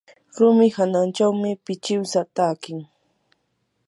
rumi hanachawmi pichiwsa takin.